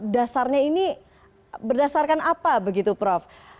dasarnya ini berdasarkan apa begitu prof